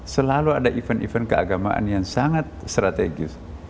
selalu ada event event keagamaan yang sangat strategis